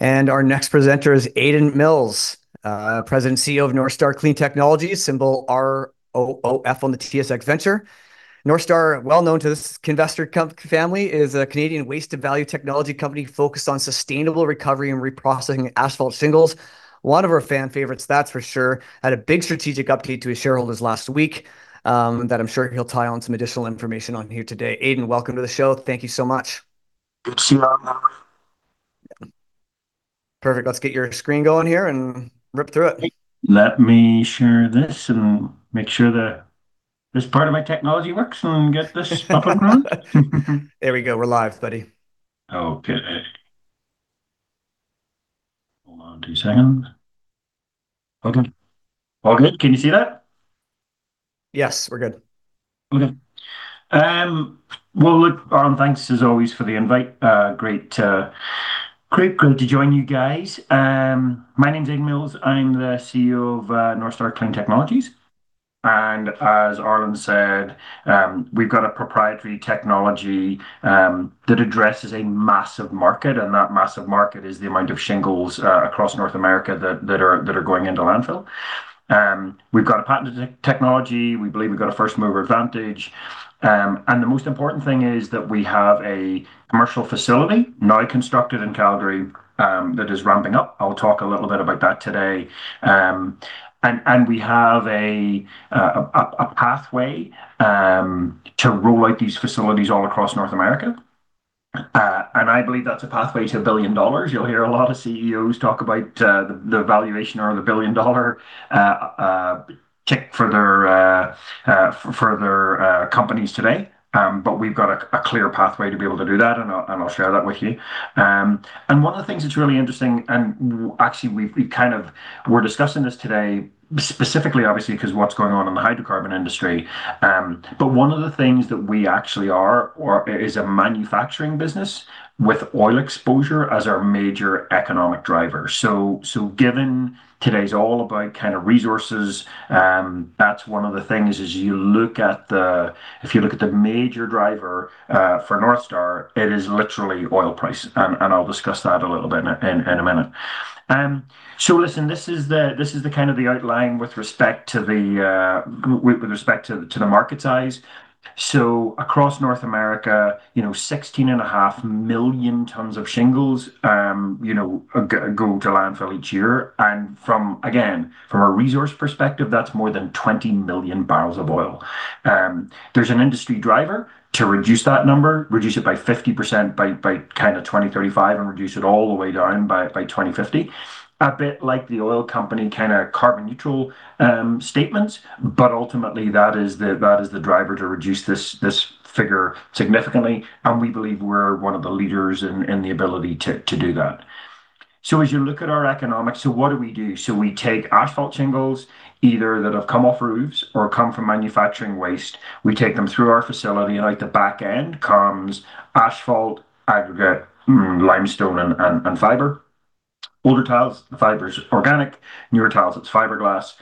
Our next presenter is Aidan Mills, President and CEO of Northstar Clean Technologies, symbol ROOF on the TSX Venture. Northstar, well known to this Kinvestor.com family, is a Canadian waste-to-value technology company focused on sustainable recovery and reprocessing asphalt shingles. One of our fan favorites, that's for sure. Had a big strategic update to his shareholders last week, that I'm sure he'll tie in some additional information on here today. Aidan, welcome to the show. Thank you so much. Good to see you. Perfect. Let's get your screen going here and rip through it. Let me share this and make sure that this part of my technology works and get this up and running. There we go. We're live, buddy. Okay. Hold on two seconds. All good. Can you see that? Yes, we're good. Okay. Well, look, Arlen, thanks as always for the invite. Great to join you guys. My name's Aidan Mills. I'm the CEO of Northstar Clean Technologies. As Arlen said, we've got a proprietary technology that addresses a massive market, and that massive market is the amount of shingles across North America that are going into landfill. We've got a patented technology. We believe we've got a first-mover advantage. The most important thing is that we have a commercial facility now constructed in Calgary that is ramping up. I'll talk a little bit about that today. We have a pathway to roll out these facilities all across North America. I believe that's a pathway to 1 billion dollars. You'll hear a lot of CEOs talk about the valuation or the billion-dollar check for their companies today. We've got a clear pathway to be able to do that, and I'll share that with you. One of the things that's really interesting, actually we've kind of were discussing this today specifically obviously because what's going on in the hydrocarbon industry. One of the things that we actually are a manufacturing business with oil exposure as our major economic driver. Given today's all about kind of resources, that's one of the things as you look at the major driver for Northstar, it is literally oil price. I'll discuss that a little bit in a minute. Listen, this is kind of the outline with respect to the market size. Across North America, you know, 16.5 million tons of shingles go to landfill each year. From a resource perspective, that's more than 20 million barrels of oil. There's an industry driver to reduce that number, reduce it by 50% by kind of 2035 and reduce it all the way down by 2050. A bit like the oil company kind of carbon neutral statements, but ultimately that is the driver to reduce this figure significantly, and we believe we're one of the leaders in the ability to do that. As you look at our economics, what do we do? We take asphalt shingles either that have come off roofs or come from manufacturing waste. We take them through our facility, and out the back end comes Asphalt, Aggregate, Limestone, and Fiber. Older tiles, the fiber's organic. Newer tiles, it's fiberglass.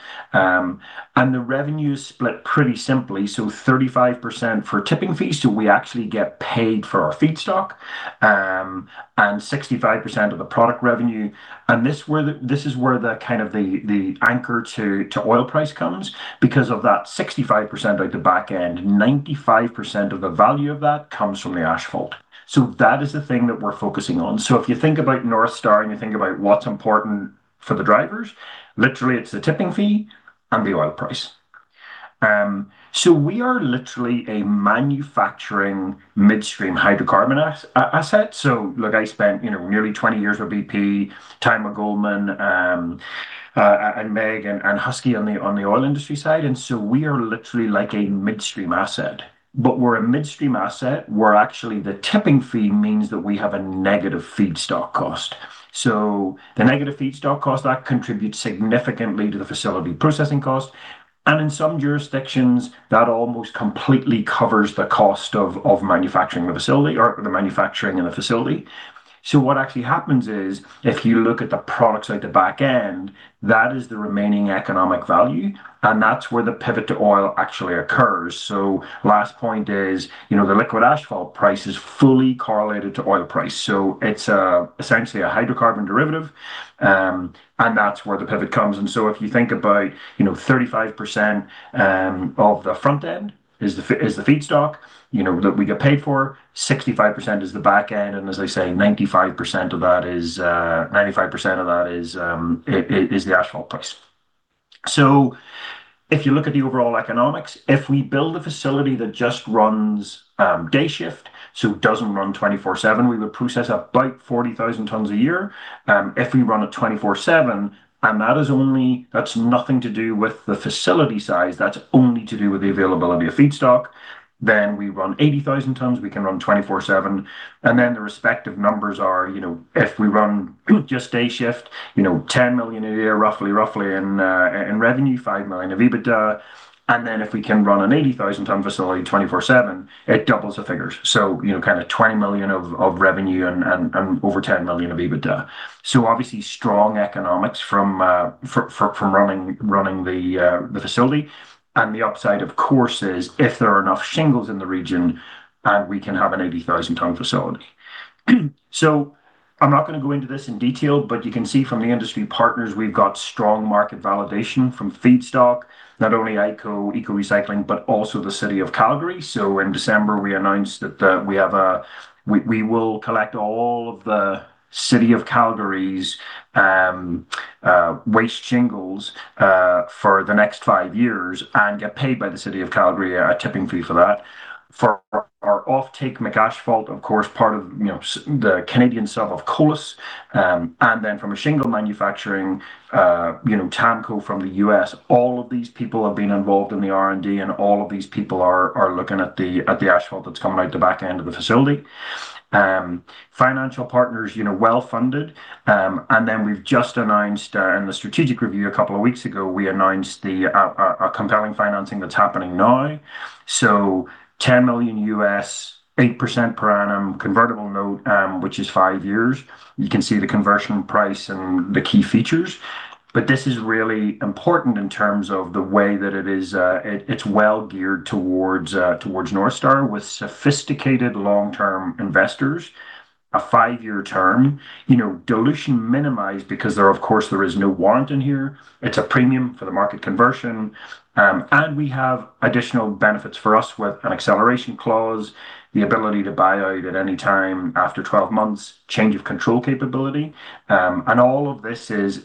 And the revenue's split pretty simply, so 35% for tipping fees, we actually get paid for our feedstock, and 65% of the product revenue. This is where the anchor to oil price comes because of that 65% out the back end. 95% of the value of that comes from the Asphalt. That is the thing that we're focusing on. If you think about Northstar and you think about what's important for the drivers, literally it's the tipping fee and the oil price. We are literally a manufacturing midstream hydrocarbon asset. Look, I spent, you know, nearly 20 years with BP, time with Goldman, at MEG and Husky on the oil industry side. We are literally like a midstream asset. But we're a midstream asset where actually the tipping fee means that we have a negative feedstock cost. The negative feedstock cost, that contributes significantly to the facility processing cost. In some jurisdictions, that almost completely covers the cost of manufacturing the facility or the manufacturing in the facility. What actually happens is, if you look at the products out the back end, that is the remaining economic value, and that's where the pivot to oil actually occurs. Last point is, you know, the Liquid Asphalt price is fully correlated to oil price. It's essentially a hydrocarbon derivative, and that's where the pivot comes. If you think about, you know, 35% of the front end is the feedstock, you know, that we get paid for, 65% is the back end. And as I say, 95% of that is the asphalt price. If you look at the overall economics, if we build a facility that just runs day shift, so it doesn't run 24/7, we would process about 40,000 tons a year. If we run it 24/7, and that is only, that's nothing to do with the facility size, that's only to do with the availability of feedstock, then we run 80,000 tons, we can run 24/7. The respective numbers are, you know, if we run just day shift, you know, 10 million a year roughly in revenue, 5 million of EBITDA. If we can run an 80,000-ton facility 24/7, it doubles the figures. You know, kind of 20 million of revenue and over 10 million of EBITDA. Obviously strong economics from running the facility. The upside, of course, is if there are enough shingles in the region and we can have an 80,000-ton facility. I'm not gonna go into this in detail, but you can see from the industry partners, we've got strong market validation from feedstock, not only Ecco Recycling, but also the City of Calgary. In December, we announced that we will collect all of the City of Calgary's waste shingles for the next five years and get paid by the City of Calgary a tipping fee for that. For our offtake, McAsphalt, of course, part of, you know, the Canadian sub of Colas. And then from a shingle manufacturing, you know, TAMKO from the U.S. All of these people have been involved in the R&D, and all of these people are looking at the asphalt that's coming out the back end of the facility. Financial partners, you know, well-funded. Then we've just announced in the strategic review a couple of weeks ago, we announced the compelling financing that's happening now. $10 million, 8% per annum convertible note, which is five years. You can see the conversion price and the key features. This is really important in terms of the way that it is, it's well geared towards Northstar with sophisticated long-term investors, a five-year term. You know, dilution minimized because there, of course, there is no warrant in here. It's a premium for the market conversion. We have additional benefits for us with an acceleration clause, the ability to buy out at any time after 12 months, change of control capability. All of this is,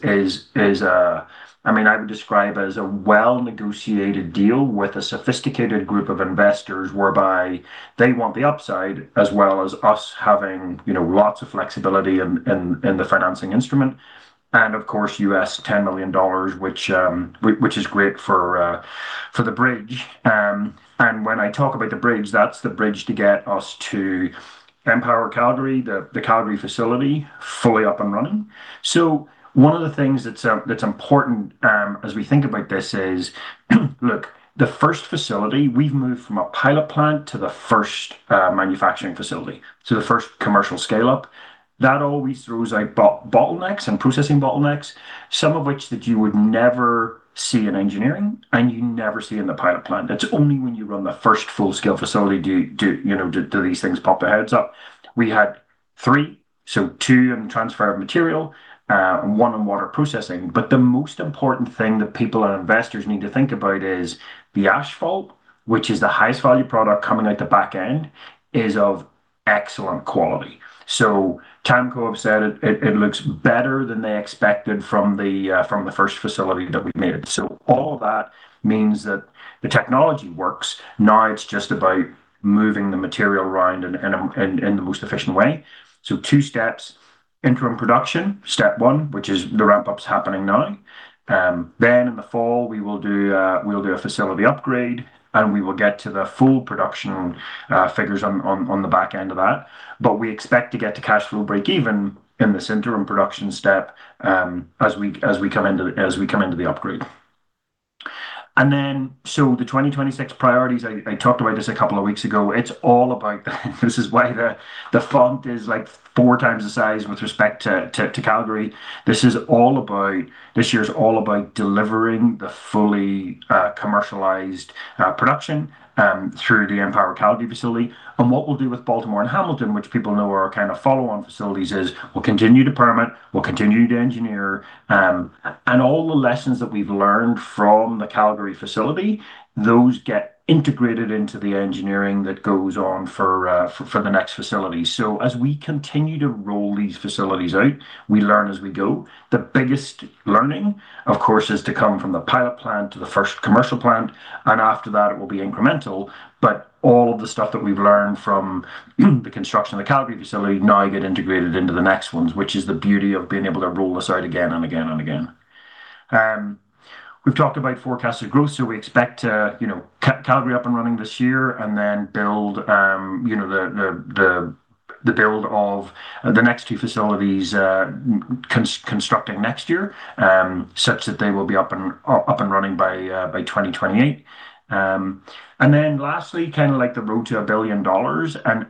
I mean, I would describe as a well-negotiated deal with a sophisticated group of investors whereby they want the upside as well as us having, you know, lots of flexibility in the financing instrument. Of course, $10 million, which is great for the bridge. When I talk about the bridge, that's the bridge to get us to Empower Calgary, the Calgary Facility, fully up and running. One of the things that's important as we think about this is, look, the first facility, we've moved from a pilot plant to the first manufacturing facility, the first commercial scale-up. That always throws out bottlenecks and processing bottlenecks, some of which you would never see in engineering and you never see in the pilot plant. That's only when you run the first full-scale facility do you know these things pop their heads up. We had three, two in transferred material and one in water processing. But the most important thing that people and investors need to think about is the Asphalt, which is the highest value product coming out the back end, is of excellent quality. TAMKO have said it looks better than they expected from the first facility that we've made. All that means that the technology works. Now it's just about moving the material around in the most efficient way. Two steps. Interim production, step one, which is the ramp-up's happening now. Then in the fall, we'll do a facility upgrade, and we will get to the full production figures on the back end of that. But we expect to get to cash flow break even in this interim production step, as we come into the upgrade. The 2026 priorities, I talked about this a couple of weeks ago. It's all about this is why the font is, like, 4x the size with respect to Calgary. This year is all about delivering the fully commercialized production through the Empower Calgary Facility. What we'll do with Baltimore and Hamilton, which people know are kind of follow-on facilities, is we'll continue to permit, we'll continue to engineer, and all the lessons that we've learned from the Calgary Facility, those get integrated into the engineering that goes on for the next facility. As we continue to roll these facilities out, we learn as we go. The biggest learning, of course, is to come from the pilot plant to the first commercial plant, and after that it will be incremental. All of the stuff that we've learned from the construction of the Calgary Facility now get integrated into the next ones, which is the beauty of being able to roll this out again and again and again. We've talked about forecasted growth, so we expect to, you know, Calgary up and running this year and then build, you know, the build of the next two facilities, constructing next year, such that they will be up and running by 2028. Kind of like the road to 1 billion dollars and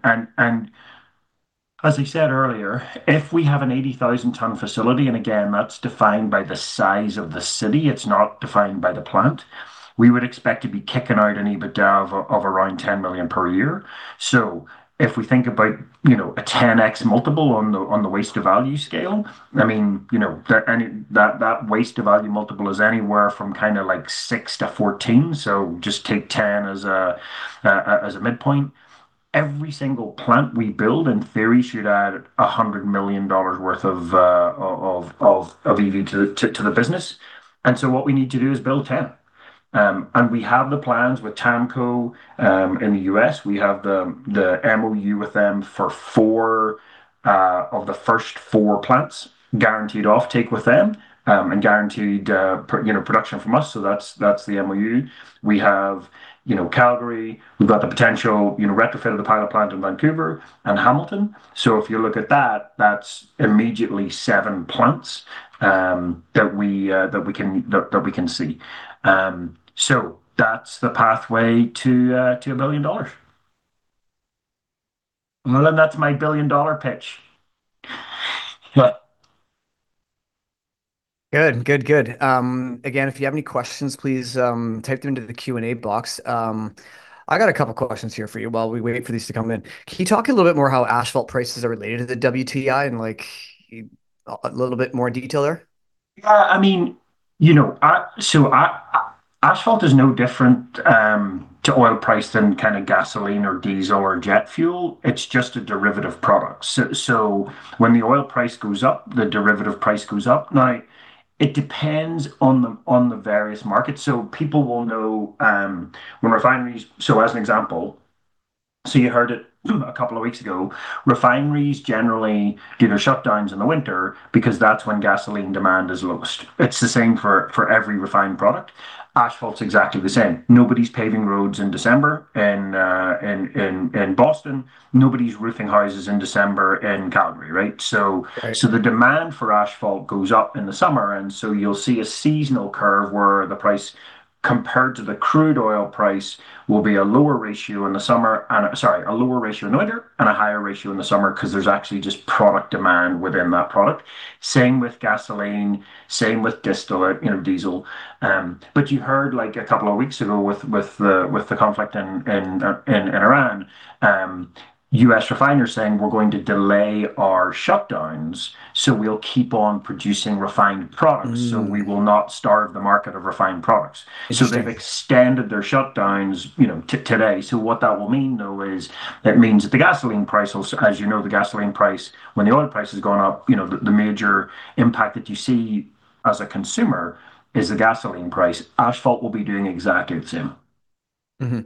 as I said earlier, if we have an 80,000-ton facility, and again, that's defined by the size of the city, it's not defined by the plant, we would expect to be kicking out an EBITDA of around $10 million per year. If we think about a 10x multiple on the waste to value scale, that waste to value multiple is anywhere from kind of like six to 14. Just take 10 as a midpoint. Every single plant we build, in theory, should add 100 million dollars worth of EV to the business. What we need to do is build 10. We have the plans with TAMKO in the U.S. We have the MOU with them for four of the first four plants guaranteed offtake with them and guaranteed production from us. That's the MOU. We have Calgary. We've got the potential, you know, retrofit of the pilot plant in Vancouver and Hamilton. If you look at that's immediately seven plants that we can see. That's the pathway to 1 billion dollars. Well, that's my billion-dollar pitch. Good. Again, if you have any questions, please, type them into the Q&A box. I got a couple questions here for you while we wait for these to come in. Can you talk a little bit more how asphalt prices are related to the WTI in, like, a little bit more detail there? Yeah, I mean, you know, Asphalt is no different to oil price than kind of gasoline or diesel or jet fuel. It's just a derivative product. When the oil price goes up, the derivative price goes up. Now, it depends on the various markets. People will know when refineries show as an example, you heard it a couple of weeks ago, refineries generally do their shutdowns in the winter because that's when gasoline demand is lowest. It's the same for every refined product. Asphalt's exactly the same. Nobody's paving roads in December in Boston. Nobody's roofing houses in December in Calgary, right? Right. The demand for asphalt goes up in the summer, and you'll see a seasonal curve where the price compared to the crude oil price will be a lower ratio in the summer. Sorry, a lower ratio in the winter and a higher ratio in the summer because there's actually just product demand within that product. Same with gasoline, same with distillate, you know, diesel. But you heard like a couple of weeks ago with the conflict in Iran, U.S. refiners saying, "We're going to delay our shutdowns, so we'll keep on producing refined products. Mm. We will not starve the market of refined products. Interesting. They've extended their shutdowns, you know, to today. What that will mean, though, is it means that the gasoline price, as you know, the gasoline price, when the oil price has gone up, you know, the major impact that you see as a consumer is the gasoline price. Asphalt will be doing exactly the same. Mm-hmm.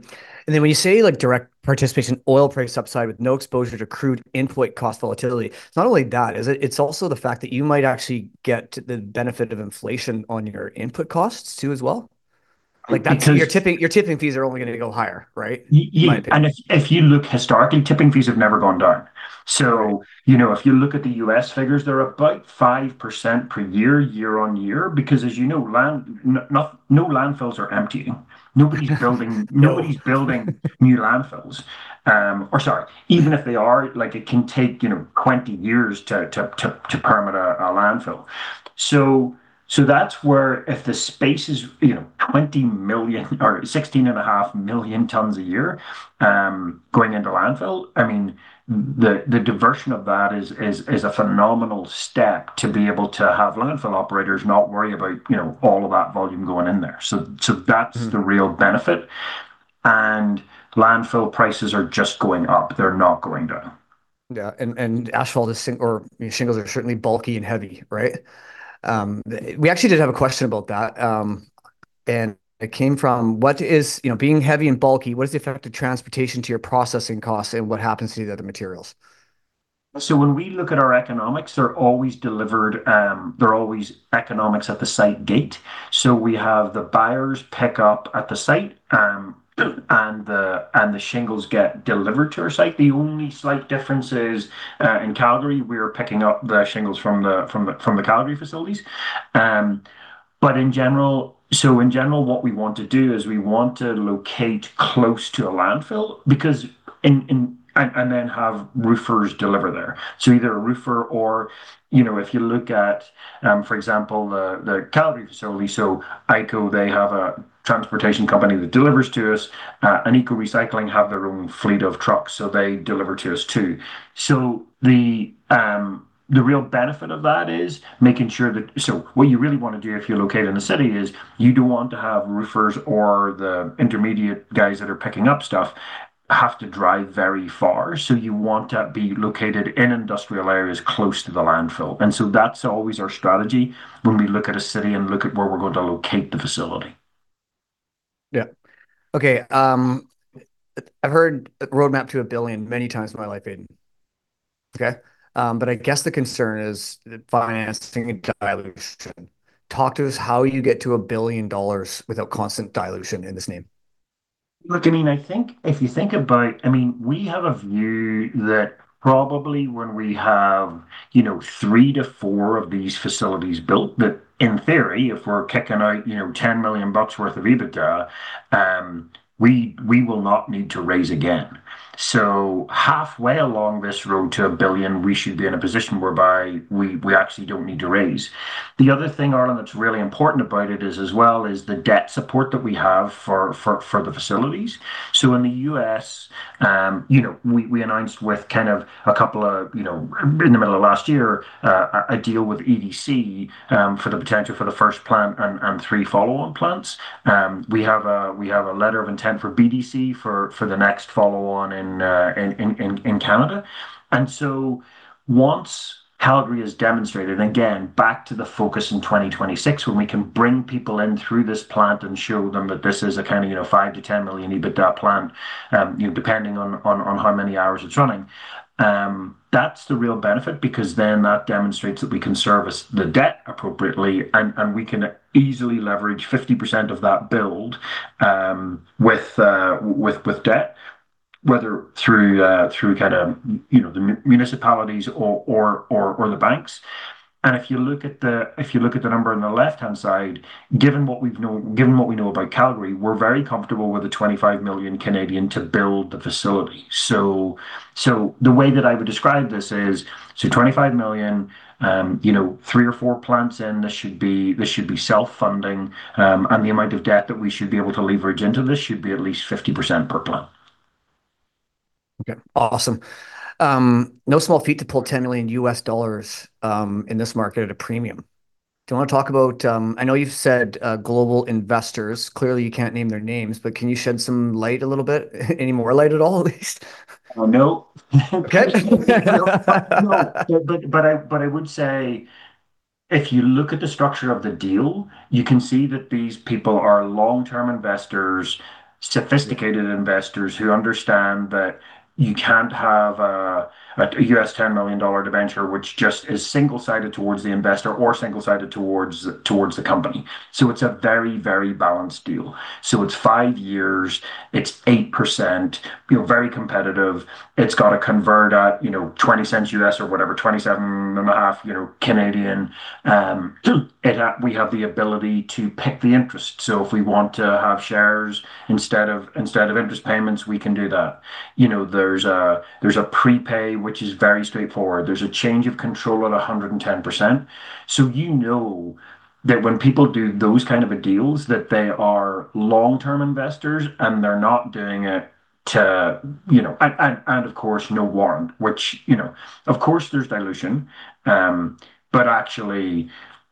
When you say, like, direct participation oil price upside with no exposure to crude input cost volatility, it's not only that, is it? It's also the fact that you might actually get the benefit of inflation on your input costs too as well. Because- Like, your tipping fees are only gonna go higher, right? In my opinion. Yeah. If you look historically, tipping fees have never gone down. Right. You know, if you look at the U.S. figures, they're about 5% per year-over-year, because as you know, landfills are not emptying. Nobody's building- No. Nobody's building new landfills. Or sorry, even if they are, like, it can take, you know, 20 years to permit a landfill. So that's where if the space is, you know, 20 million or 16.5 million tons a year going into landfill, I mean, the diversion of that is a phenomenal step to be able to have landfill operators not worry about, you know, all of that volume going in there. So that's- Mm. The real benefit. Landfill prices are just going up. They're not going down. Shingles are certainly bulky and heavy, right? We actually did have a question about that, and it came from, "What is, you know, being heavy and bulky, what is the effect of transportation to your processing costs, and what happens to the other materials? When we look at our economics, they're always delivered, they're always economics at the site gate. We have the buyers pick up at the site, and the shingles get delivered to our site. The only slight difference is in Calgary, we're picking up the shingles from the Calgary facilities. But in general, what we want to do is we want to locate close to a landfill and then have roofers deliver there. Either a roofer or, you know, if you look at, for example, the Calgary facility, so IKO, they have a transportation company that delivers to us, and Ecco Recycling have their own fleet of trucks, so they deliver to us too. The real benefit of that is making sure that. What you really wanna do if you're located in the city is you don't want to have roofers or the intermediate guys that are picking up stuff have to drive very far. You want to be located in industrial areas close to the landfill. That's always our strategy when we look at a city and look at where we're going to locate the facility. Yeah. Okay. I've heard roadmap to a billion many times in my life, Aidan. Okay? I guess the concern is financing and dilution. Talk to us how you get to a billion dollars without constant dilution in this name. Look, I mean, I think if you think about I mean, we have a view that probably when we have, you know, three to four of these facilities built, that in theory, if we're kicking out, you know, 10 million bucks worth of EBITDA, we will not need to raise again. Halfway along this road to 1 billion, we should be in a position whereby we actually don't need to raise. The other thing, Arlen, that's really important about it is as well is the debt support that we have for the facilities. In the U.S., you know, we announced with kind of a couple of, you know, in the middle of last year, a deal with EDC for the potential for the first plant and three follow-on plants. We have a letter of intent for BDC for the next follow-on in Canada. Once Calgary has demonstrated, again, back to the focus in 2026, when we can bring people in through this plant and show them that this is a kind of, you know, 5 million-10 million EBITDA plant, you know, depending on how many hours it's running, that's the real benefit because then that demonstrates that we can service the debt appropriately and we can easily leverage 50% of that build with debt, whether through kind of, you know, the municipalities or the banks. If you look at the number on the left-hand side, given what we know about Calgary, we're very comfortable with 25 million to build the facility. The way that I would describe this is, 25 million, you know, three or four plants in, this should be self-funding. The amount of debt that we should be able to leverage into this should be at least 50% per plant. Okay. Awesome. No small feat to pull $10 million in this market at a premium. Do you want to talk about, I know you've said, global investors. Clearly, you can't name their names, but can you shed some light a little bit? Any more light at all at least? Well, no. Okay. No. I would say if you look at the structure of the deal, you can see that these people are long-term investors, sophisticated investors who understand that you can't have a $10 million debenture which just is single-sided towards the investor or single-sided towards the company. It's a very balanced deal. It's five years, it's 8%, you know, very competitive. It's got to convert at, you know, $0.20 or whatever, 0.275, you know, Canadian. We have the ability to PIK the interest. If we want to have shares instead of interest payments, we can do that. You know, there's a prepay, which is very straightforward. There's a change of control at 110%. You know that when people do those kind of deals, that they are long-term investors, and they're not doing it to, you know. And of course no warrant, which, you know, of course there's dilution. But actually,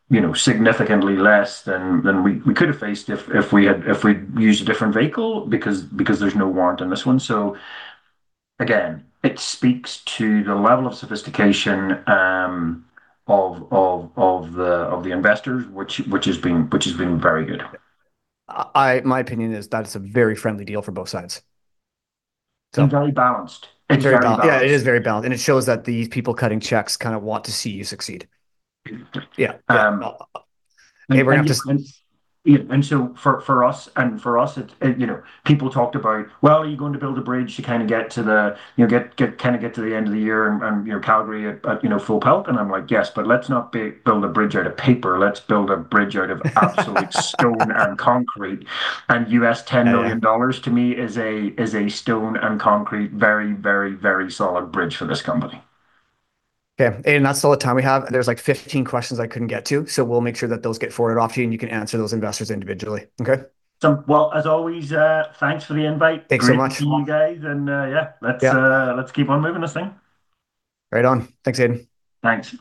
you know, significantly less than we could have faced if we'd used a different vehicle because there's no warrant in this one. Again, it speaks to the level of sophistication of the investors, which has been very good. In my opinion, it's a very friendly deal for both sides. Very balanced. It's very balanced. Yeah, it is very balanced, and it shows that these people cutting checks kind of want to see you succeed. Yeah. Okay. You know, for us, you know, people talked about, well, are you going to build a bridge to kind of get to the, you know, get to the end of the year and, you know, Calgary at full pelt? I'm like, "Yes, but let's not build a bridge out of paper. Let's build a bridge out of absolute stone and concrete." $10 million- Yeah. To me is a stone and concrete, very, very, very solid bridge for this company. Okay. Aidan, that's all the time we have, and there's like 15 questions I couldn't get to, so we'll make sure that those get forwarded off to you, and you can answer those investors individually. Okay? Well, as always, thanks for the invite. Thanks so much. Great to see you guys, and yeah. Yeah. Let's keep on moving this thing. Right on. Thanks, Aidan. Thanks.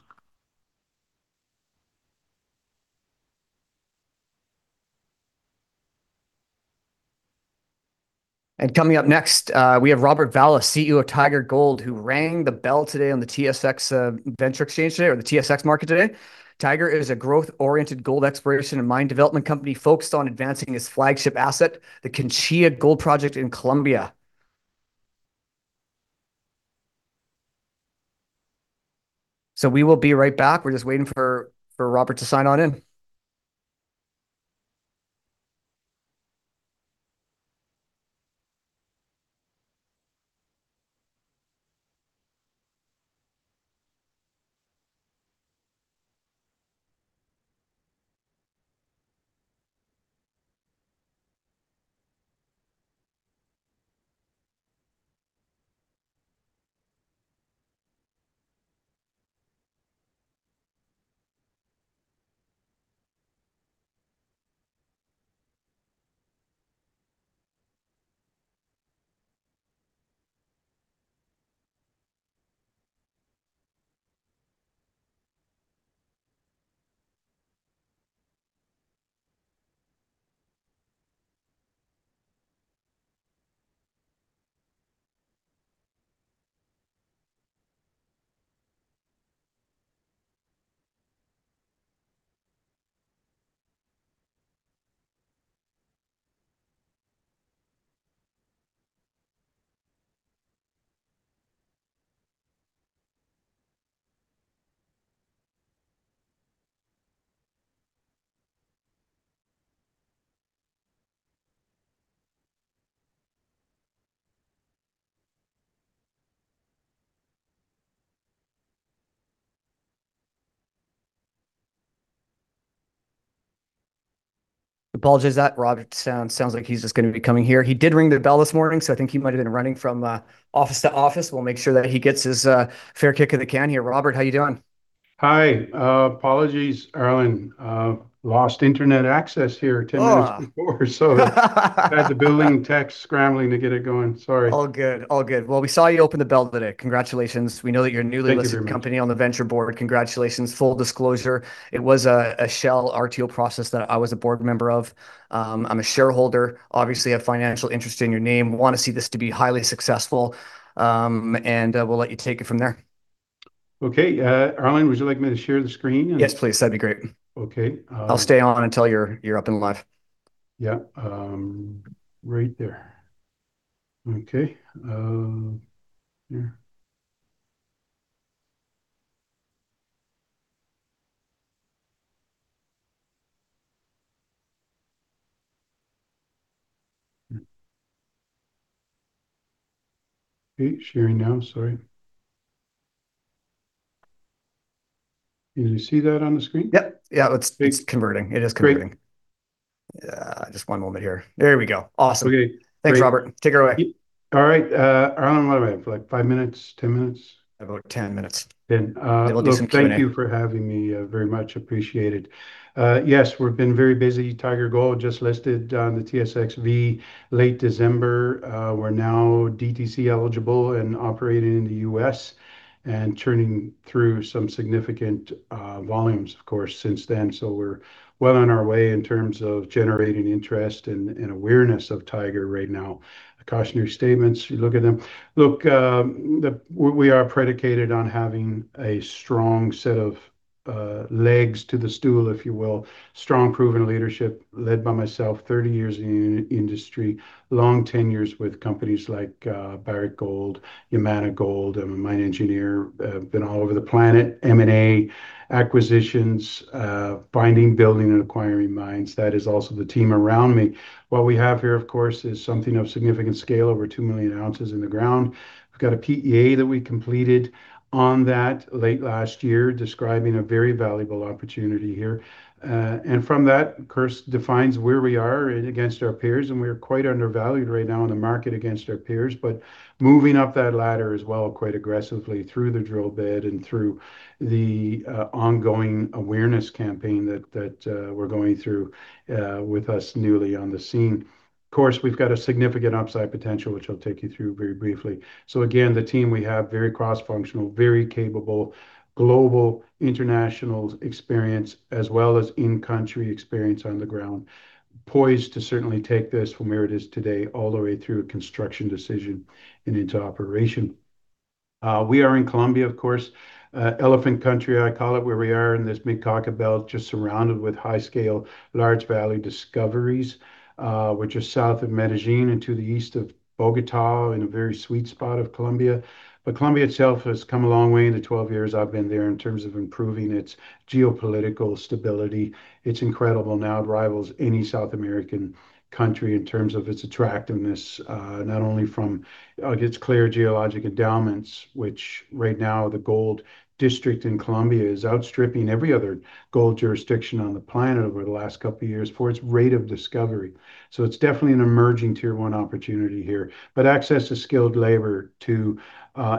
Coming up next, we have Robert Vallis, CEO of Tiger Gold, who rang the bell today on the TSX Venture Exchange today, or the TSX Market today. Tiger is a growth-oriented gold exploration and mine development company focused on advancing its flagship asset, the Quinchía Gold Project in Colombia. We will be right back. We're just waiting for Robert to sign on in. I apologize that Robert sounds like he's just gonna be coming here. He did ring the bell this morning, so I think he might have been running from office to office. We'll make sure that he gets his fair kick of the can here. Robert, how you doing? Hi. Apologies, Arlen. Lost internet access here 10 minutes- Ah. Before, so had the building techs scrambling to get it going. Sorry. All good. We saw you open the bell today. Congratulations. We know that you're a newly listed- Thank you very much. company on the Venture board. Congratulations. Full disclosure, it was a shell RTO process that I was a board member of. I'm a shareholder, obviously a financial interest in the company. I want to see this to be highly successful. We'll let you take it from there. Okay. Arlen, would you like me to share the screen and- Yes, please. That'd be great. Okay. I'll stay on until you're up and live. Yeah. Right there. Okay. Yeah. Okay, sharing now. Sorry. Can you see that on the screen? Yep. Yeah, it's converting. Great. It is converting. Just one moment here. There we go. Awesome. Okay, great. Thanks, Robert. Take it away. All right. I don't know what I have, like, five minutes, 10 minutes? About 10 minutes. Then, uh- We'll do some Q&A. Look, thank you for having me. Very much appreciated. Yes, we've been very busy. Tiger Gold just listed on the TSXV late December. We're now DTC eligible and operating in the U.S. and churning through some significant volumes, of course, since then. We're well on our way in terms of generating interest and awareness of Tiger right now. Cautionary statements, you look at them. Look, we are predicated on having a strong set of legs to the stool, if you will. Strong proven leadership led by myself, 30 years in industry, long tenures with companies like Barrick Gold, Yamana Gold. I'm a mine engineer. I've been all over the planet, M&A, acquisitions, finding, building and acquiring mines. That is also the team around me. What we have here, of course, is something of significant scale, over 2 million ounces in the ground. We've got a PEA that we completed on that late last year describing a very valuable opportunity here. From that, of course, defines where we are against our peers, and we're quite undervalued right now in the market against our peers. Moving up that ladder as well quite aggressively through the drill bit and through the ongoing awareness campaign that we're going through with us newly on the scene. Of course, we've got a significant upside potential, which I'll take you through very briefly. Again, the team we have, very cross-functional, very capable, global international experience, as well as in-country experience on the ground, poised to certainly take this from where it is today all the way through a construction decision and into operation. We are in Colombia, of course, elephant country, I call it, where we are in this Middle Cauca belt, just surrounded with high-scale large-scale discoveries, which is south of Medellín and to the east of Bogotá in a very sweet spot of Colombia. Colombia itself has come a long way in the 12 years I've been there in terms of improving its geopolitical stability. It's incredible. Now it rivals any South American country in terms of its attractiveness, not only from, like, its clear geologic endowments, which right now the gold district in Colombia is outstripping every other gold jurisdiction on the planet over the last couple of years for its rate of discovery. It's definitely an emerging tier one opportunity here. Access to skilled labor, to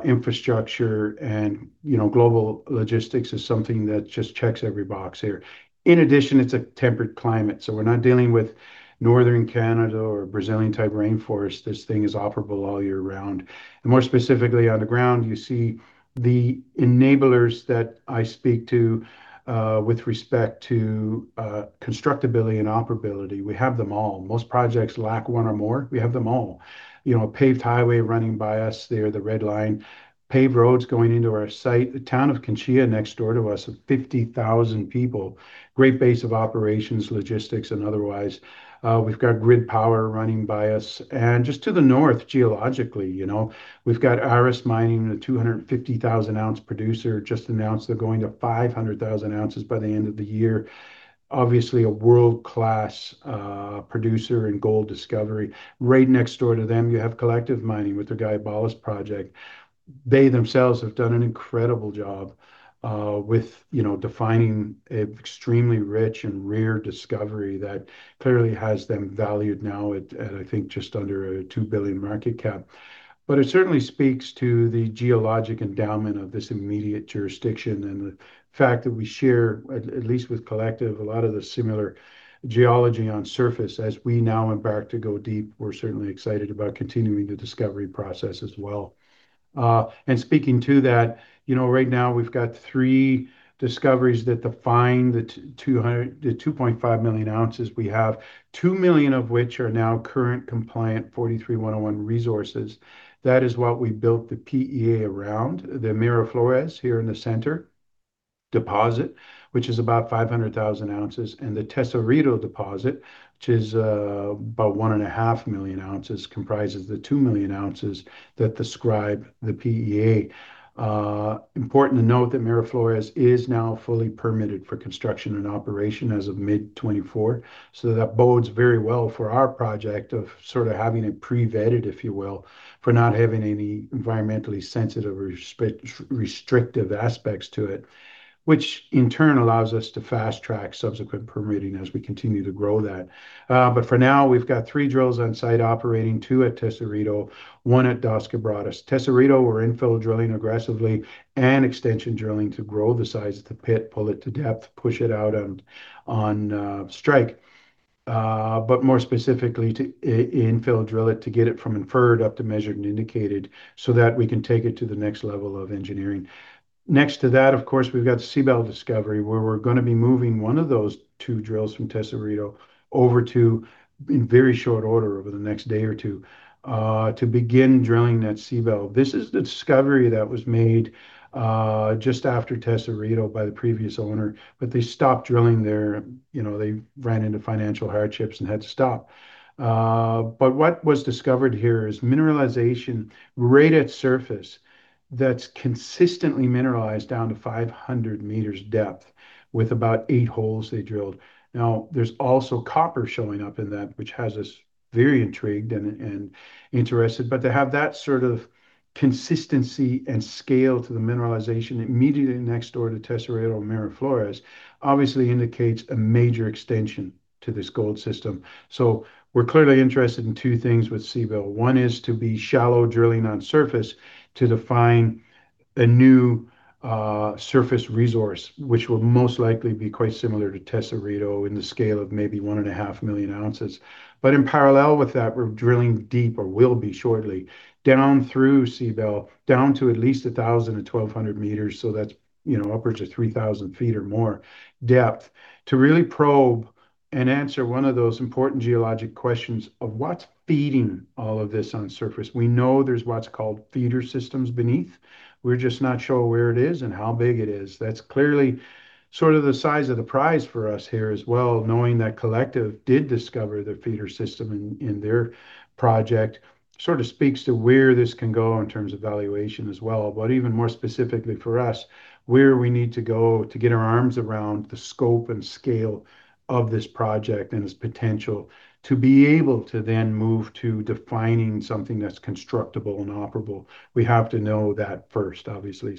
infrastructure and, you know, global logistics is something that just checks every box here. In addition, it's a temperate climate, so we're not dealing with northern Canada or Brazilian type rainforest. This thing is operable all year round. More specifically, on the ground, you see the enablers that I speak to, with respect to, constructability and operability. We have them all. Most projects lack one or more. We have them all. You know, a paved highway running by us there, the red line, paved roads going into our site. The town of Quinchía next door to us of 50,000 people. Great base of operations, logistics, and otherwise. We've got grid power running by us. Just to the north, geologically, you know, we've got Aris Mining, the 250,000-ounce producer, just announced they're going to 500,000 ounces by the end of the year. Obviously, a world-class producer in gold discovery. Right next door to them, you have Collective Mining with their Guayabales project. They themselves have done an incredible job with, you know, defining an extremely rich and rare discovery that clearly has them valued now at I think just under a 2 billion market cap. It certainly speaks to the geologic endowment of this immediate jurisdiction and the fact that we share at least with Collective a lot of the similar geology on surface as we now embark to go deep. We're certainly excited about continuing the discovery process as well. Speaking to that, you know, right now we've got three discoveries that define the 2.5 million ounces. We have 2 million of which are now currently compliant NI 43-101 resources. That is what we built the PEA around, the Miraflores here in the center deposit, which is about 500,000 ounces, and the Tesorito deposit, which is about 1.5 million ounces, comprises the 2 million ounces that describe the PEA. Important to note that Miraflores is now fully permitted for construction and operation as of mid-2024. That bodes very well for our project of sort of having it pre-vetted, if you will, for not having any environmentally sensitive or resource-restrictive aspects to it, which in turn allows us to fast track subsequent permitting as we continue to grow that. For now, we've got three drills on site operating, two at Tesorito, one at Dosquebradas. Tesorito, we're infill drilling aggressively and extension drilling to grow the size of the pit, pull it to depth, push it out on strike. More specifically to infill drill it to get it from inferred up to measured and indicated so that we can take it to the next level of engineering. Next to that, of course, we've got the Ceibal discovery, where we're gonna be moving one of those two drills from Tesorito over to in very short order, over the next day or two, to begin drilling that Ceibal. This is the discovery that was made just after Tesorito by the previous owner, but they stopped drilling there. You know, they ran into financial hardships and had to stop. What was discovered here is mineralization right at surface that's consistently mineralized down to 500 meters depth with about eight holes they drilled. Now, there's also copper showing up in that, which has us very intrigued and interested. To have that consistency and scale to the mineralization immediately next door to Tesorito Miraflores obviously indicates a major extension to this gold system. We're clearly interested in two things with Ceibal. One is shallow drilling on surface to define a new surface resource, which will most likely be quite similar to Tesorito in the scale of maybe 1.5 million ounces. In parallel with that, we're drilling deep or will be shortly down through Ceibal, down to at least 1,000-1,200 meters. That's, you know, upwards of 3,000 ft or more depth to really probe and answer one of those important geologic questions of what's feeding all of this on surface. We know there's what's called feeder systems beneath. We're just not sure where it is and how big it is. That's clearly sort of the size of the prize for us here as well, knowing that Collective did discover the feeder system in their project, sort of speaks to where this can go in terms of valuation as well. Even more specifically for us, where we need to go to get our arms around the scope and scale of this project and its potential to be able to then move to defining something that's constructible and operable. We have to know that first, obviously.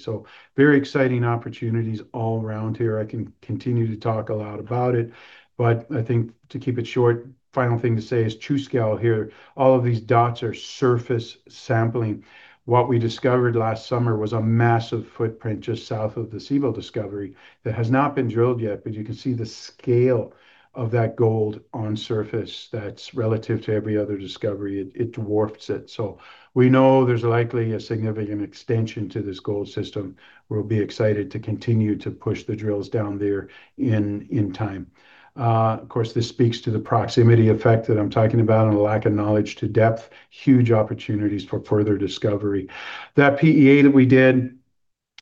Very exciting opportunities all around here. I can continue to talk a lot about it, but I think to keep it short, final thing to say is true scale here. All of these dots are surface sampling. What we discovered last summer was a massive footprint just south of the Ceibal discovery that has not been drilled yet, but you can see the scale of that gold on surface that's relative to every other discovery. It dwarfs it. So we know there's likely a significant extension to this gold system. We'll be excited to continue to push the drills down there in time. Of course, this speaks to the proximity effect that I'm talking about and a lack of knowledge to depth. Huge opportunities for further discovery. That PEA that we did,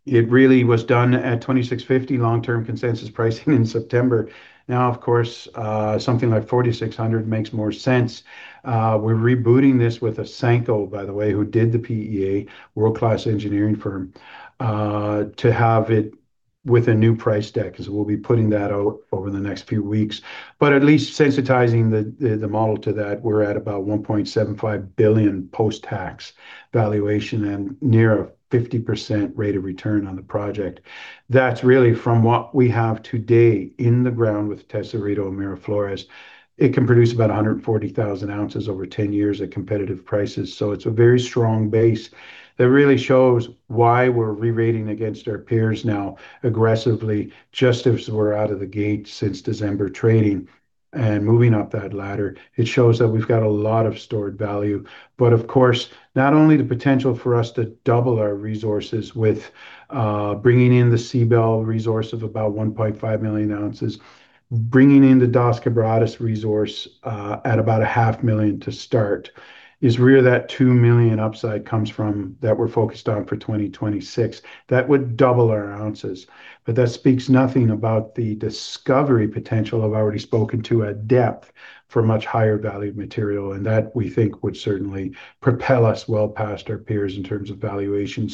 it really was done at $2,650 long-term consensus pricing in September. Now, of course, something like $4,600 makes more sense. We're rebooting this with Ausenco, by the way, who did the PEA, world-class engineering firm, to have it with a new price deck, 'cause we'll be putting that out over the next few weeks. At least sensitizing the model to that, we're at about 1.75 billion post-tax valuation and near a 50% rate of return on the project. That's really from what we have today in the ground with Tesorito, Miraflores. It can produce about 140,000 ounces over 10 years at competitive prices. It's a very strong base that really shows why we're re-rating against our peers now aggressively, just as we're out of the gate since December trading and moving up that ladder. It shows that we've got a lot of stored value. Of course, not only the potential for us to double our resources with bringing in the Ceibal resource of about 1.5 million ounces, bringing in the Dosquebradas resource at about a half million to start is where that 2 million ounces upside comes from that we're focused on for 2026. That would double our ounces. That speaks nothing about the discovery potential I've already spoken to at depth for much higher valued material, and that we think would certainly propel us well past our peers in terms of valuation.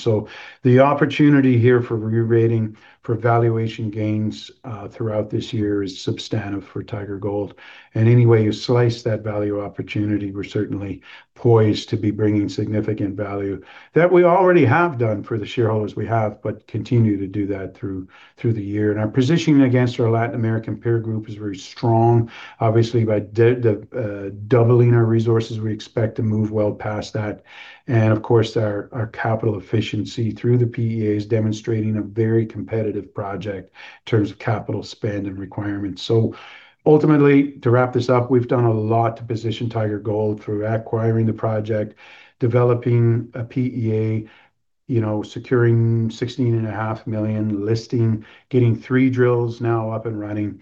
The opportunity here for re-rating for valuation gains throughout this year is substantive for Tiger Gold. Any way you slice that value opportunity, we're certainly poised to be bringing significant value that we already have done for the shareholders we have, but continue to do that through the year. Our positioning against our Latin American peer group is very strong. Obviously, by the doubling our resources, we expect to move well past that. Of course, our capital efficiency through the PEA is demonstrating a very competitive project in terms of capital spend and requirements. Ultimately, to wrap this up, we've done a lot to position Tiger Gold through acquiring the project, developing a PEA, you know, securing 16.5 million listing, getting three drills now up and running.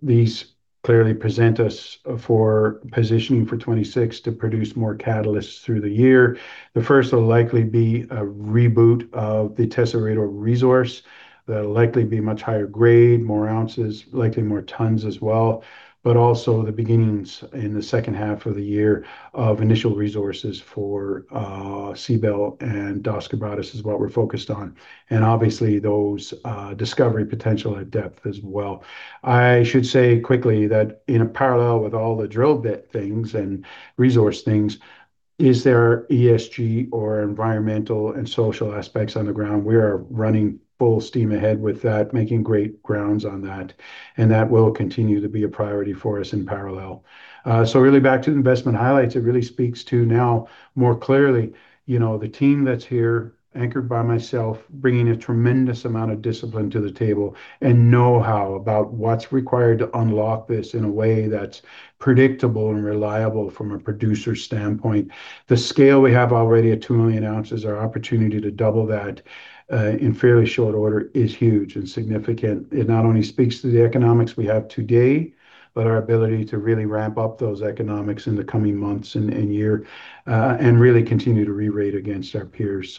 These clearly present us for positioning for 2026 to produce more catalysts through the year. The first will likely be a reboot of the Tesorito resource. That'll likely be much higher grade, more ounces, likely more tons as well, but also the beginnings in the second half of the year of initial resources for Ceibal and Dosquebradas is what we're focused on. Obviously, those discovery potential at depth as well. I should say quickly that in a parallel with all the drill bit things and resource things, is there ESG or environmental and social aspects on the ground? We are running full steam ahead with that, making great progress on that, and that will continue to be a priority for us in parallel. Really back to the investment highlights, it really speaks to now more clearly, you know, the team that's here anchored by myself, bringing a tremendous amount of discipline to the table and know-how about what's required to unlock this in a way that's predictable and reliable from a producer standpoint. The scale we have already at 2 million ounces, our opportunity to double that in fairly short order is huge and significant. It not only speaks to the economics we have today, but our ability to really ramp up those economics in the coming months and year and really continue to re-rate against our peers.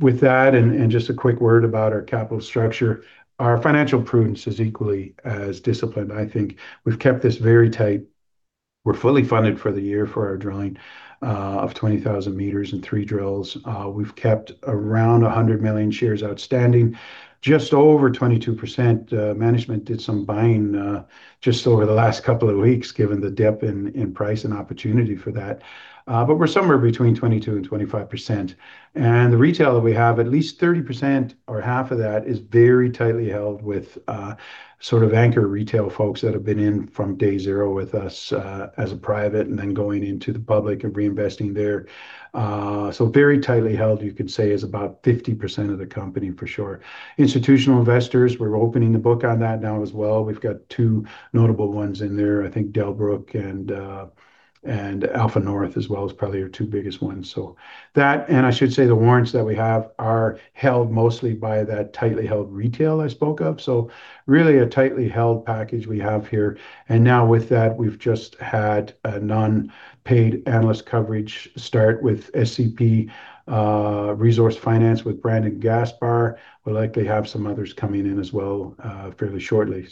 With that, just a quick word about our capital structure, our financial prudence is equally as disciplined. I think we've kept this very tight. We're fully funded for the year for our drilling of 20,000 meters and three drills. We've kept around 100 million shares outstanding, just over 22%. Management did some buying just over the last couple of weeks given the dip in price and opportunity for that. We're somewhere between 22% and 25%. The retail that we have, at least 30% or half of that is very tightly held with sort of anchor retail folks that have been in from day zero with us as a private and then going into the public and reinvesting there. Very tightly held, you could say, is about 50% of the company for sure. Institutional investors, we're opening the book on that now as well. We've got two notable ones in there. I think Delbrook and AlphaNorth as well is probably our two biggest ones. That, and I should say the warrants that we have are held mostly by that tightly held retail I spoke of. Really a tightly held package we have here. Now with that, we've just had a non-paid analyst coverage start with SCP Resource Finance with Brandon Gaspar. We'll likely have some others coming in as well, fairly shortly.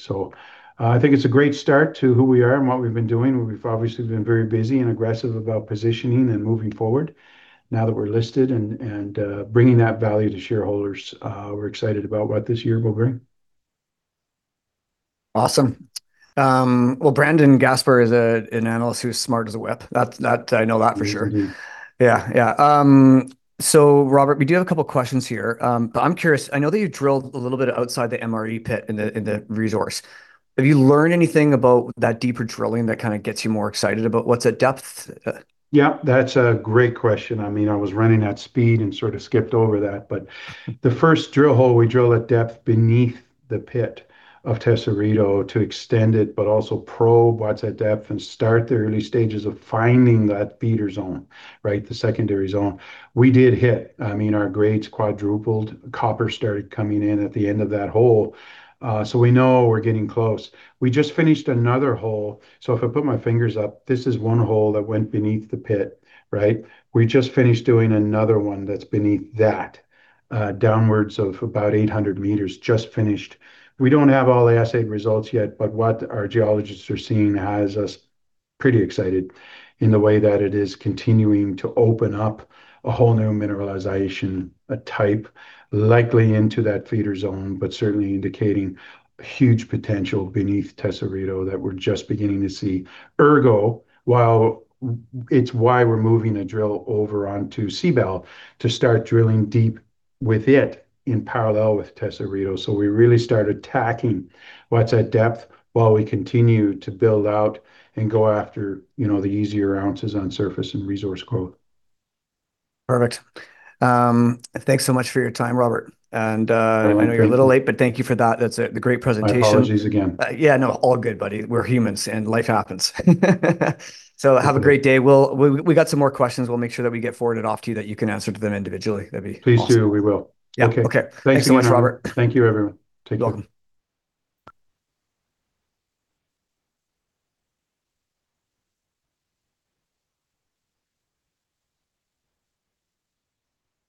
I think it's a great start to who we are and what we've been doing. We've obviously been very busy and aggressive about positioning and moving forward now that we're listed and bringing that value to shareholders. We're excited about what this year will bring. Awesome. Well, Brandon Gaspar is an analyst who's smart as a whip. That I know that for sure. Yeah, he is. Robert, we do have a couple questions here. I'm curious, I know that you drilled a little bit outside the MRE pit in the resource. Have you learned anything about that deeper drilling that kinda gets you more excited about what's at depth? Yeah, that's a great question. I mean, I was running at speed and sort of skipped over that. The first drill hole, we drill at depth beneath the pit of Tesorito to extend it, but also probe what's at depth and start the early stages of finding that feeder zone, right? The secondary zone. We did hit. I mean, our grades quadrupled. Copper started coming in at the end of that hole. So we know we're getting close. We just finished another hole. If I put my fingers up, this is one hole that went beneath the pit, right? We just finished doing another one that's beneath that, downwards of about 800 meters just finished. We don't have all the assay results yet, but what our geologists are seeing has us pretty excited in the way that it is continuing to open up a whole new mineralization, a type likely into that feeder zone, but certainly indicating huge potential beneath Tesorito that we're just beginning to see. Ergo, it's why we're moving a drill over onto Ceibal to start drilling deep with it in parallel with Tesorito. We really start attacking what's at depth while we continue to build out and go after, you know, the easier ounces on surface and resource growth. Perfect. Thanks so much for your time, Robert. Oh, no. Thank you. I know you're a little late, but thank you for that. That's the great presentation. My apologies again. Yeah, no. All good, buddy. We're humans, and life happens. Absolutely. Have a great day. We got some more questions. We'll make sure that we get forwarded off to you that you can answer to them individually. That'd be awesome. Please do. We will. Yeah. Okay. Okay. Thank you. Thanks so much, Robert. Thank you, everyone. Take care. Welcome.